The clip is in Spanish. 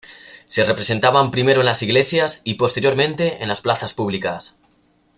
Se representaban primero en las iglesias y, posteriormente, en las plazas públicas.